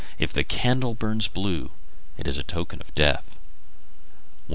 If the candle burns blue, it is token of a death.